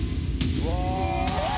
うわ！